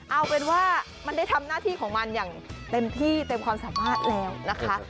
เอาเป็นว่ามันได้ทำหน้าที่ของมันอย่างเต็มที่เต็มความสามารถแล้วนะคะ